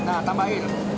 nah tambah air